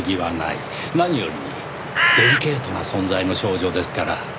何よりデリケートな存在の少女ですから。